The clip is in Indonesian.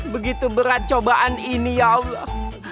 begitu berat cobaan ini ya allah